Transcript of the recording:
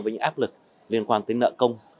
với những áp lực liên quan tới nợ công